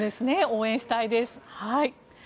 応援したいです。